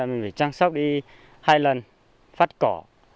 mình phải trang sốc đi hai lần phát cỏ